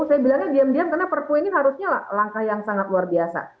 saya bilangnya diam diam karena perpu ini harusnya langkah yang sangat luar biasa